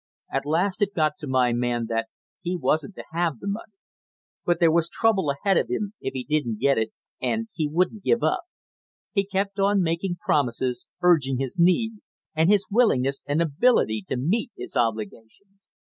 At last it got to my man that he wasn't to have the money. But there was trouble ahead of him if he didn't get it and he wouldn't give up; he kept on making promises urging his need and his willingness and ability to meet his obligations.